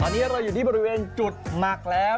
ตอนนี้เราอยู่ที่บริเวณจุดหมักแล้ว